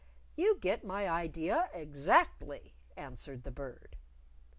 "You get my idea exactly," answered the Bird.